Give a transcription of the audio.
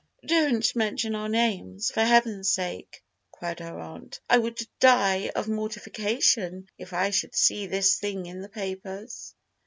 "Don't mention our names, for heaven's sake!" cried her aunt. "I would die of mortification if I should see this thing in the papers."